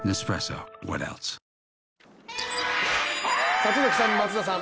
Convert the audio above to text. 里崎さん、松田さん